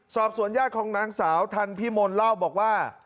สอบสวนญาติของนางสาวทันพิมลเล่าบอกว่า